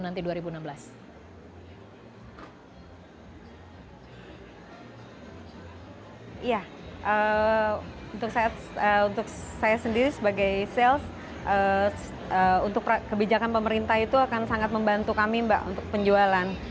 iya untuk saya sendiri sebagai sales untuk kebijakan pemerintah itu akan sangat membantu kami mbak untuk penjualan